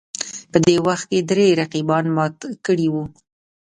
په دې وخت کې درې رقیبان مات کړي وو